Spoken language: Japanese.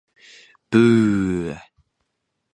空気読めるロボットを本気でつくります。